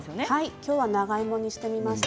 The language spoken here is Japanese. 今日は長芋にしてみました。